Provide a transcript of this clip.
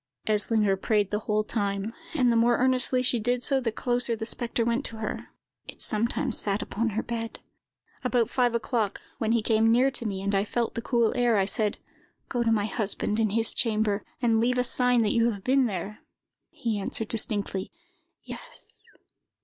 "Eslinger prayed the whole time, and the more earnestly she did so, the closer the spectre went to her. It sometimes sat upon her bed. "About five o'clock, when he came near to me, and I felt the cool air, I said, 'Go to my husband, in his chamber, and leave a sign that you have been there!' He answered distinctly, 'Yes.